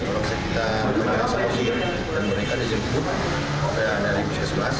orang sekitar puskesmas simarmata mereka dijemput dari puskesmas